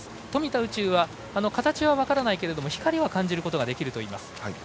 宇宙は形は分からないけれども光は感じることができるといいます。